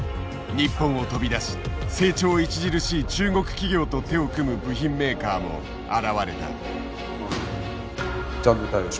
日本を飛び出し成長著しい中国企業と手を組む部品メーカーも現れた。